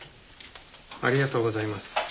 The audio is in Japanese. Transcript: ありがとうございます。